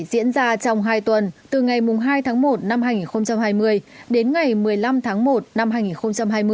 diễn ra trong hai tuần từ ngày hai tháng một năm hai nghìn hai mươi đến ngày một mươi năm tháng một năm hai nghìn hai mươi